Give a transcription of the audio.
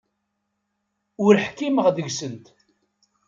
Ur ḥkimeɣ deg-sent.